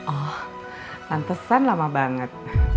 oh lantesan lama banget